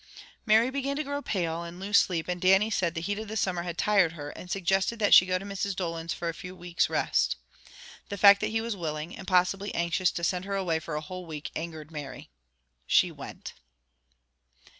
Mary began to grow pale, and lose sleep, and Dannie said the heat of the summer had tired her, and suggested that she go to Mrs. Dolan's for a weeks rest. The fact that he was willing, and possibly anxious to send her away for a whole week, angered Mary. She went.